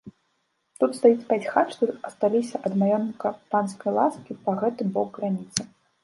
Тут стаіць пяць хат, што асталіся ад маёнтка панскай ласкі па гэты бок граніцы.